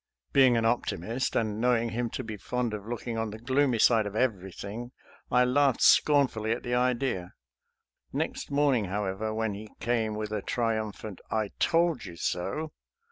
Be ing an optimist, and knowing him to be fond of looking on the gloomy side of everything, I laughed scornfully at the idea. Next morning, however, when he came with a triumphant " I told you so!"